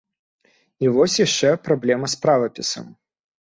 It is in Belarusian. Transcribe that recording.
І вось яшчэ праблема з правапісам.